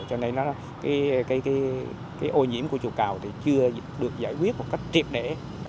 cho nên cái ô nhiễm của chùa cầu thì chưa được giải quyết một cách triệt đề